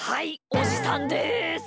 おじさんです！